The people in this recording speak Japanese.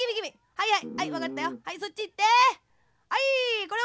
はいはい。